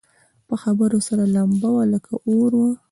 په خبرو سره لمبه وه لکه اور وه